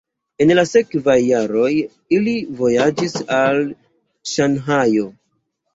En la sekvaj jaroj ili vojaĝis al Ŝanhajo.